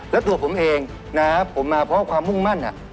และตัวผมเองนะครับผมมาเพราะว่าความมุ่งมั่น